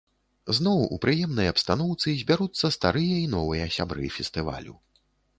Зноў у прыемнай абстаноўцы збяруцца старыя і новыя сябры фестывалю.